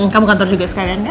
kamu kantor juga sekalian